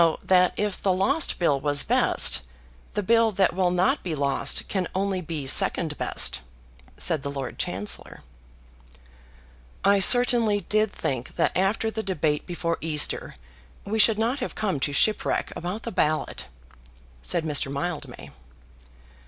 "So that if the lost bill was best, the bill that will not be lost can only be second best," said the Lord Chancellor. "I certainly did think that after the debate before Easter we should not have come to shipwreck about the ballot," said Mr. Mildmay.